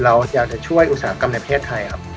เราอยากจะช่วยอุตสาหกรรมในประเทศไทยครับ